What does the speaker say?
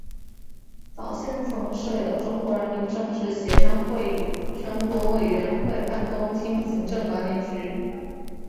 早先曾设有中国人民政治协商会议全国委员会办公厅行政管理局。